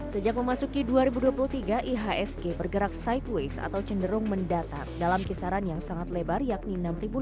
sejak memasuki dua ribu dua puluh tiga ihsg bergerak sideways atau cenderung mendatar dalam kisaran yang sangat lebar yakni enam lima ratus